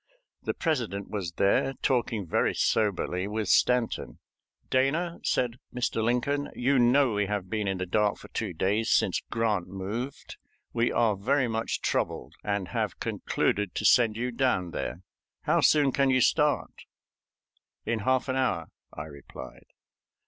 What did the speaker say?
The President was there, talking very soberly with Stanton. "Dana," said Mr. Lincoln, "you know we have been in the dark for two days since Grant moved. We are very much troubled, and have concluded to send you down there. How soon can you start?" "In half an hour," I replied.